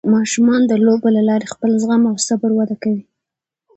ماشومان د لوبو له لارې خپل زغم او صبر وده کوي.